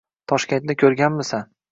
— Toshkentni ko‘rganmisan?